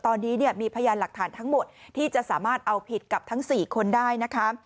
ตอนนี้เนี่ยมีพยานหลักฐานทั้งหมดที่จะสามารถเอาผิดกับทั้ง๔คนได้นะคะ